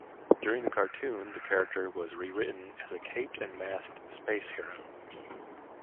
During the cartoon the character was rewritten as a caped and masked space hero.